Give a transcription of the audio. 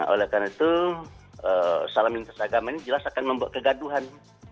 oleh karena itu salam lintas agama ini jelas akan membuat kegaduhan